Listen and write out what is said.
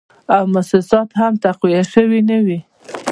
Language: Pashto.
او موسسات هم تقویه شوي نه وې